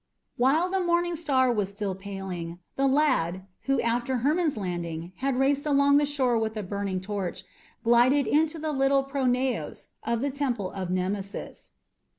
While the morning star was still paling, the lad who after Hermon's landing had raced along the shore with the burning torch glided into the little pronaos of the Temple of Nemesis.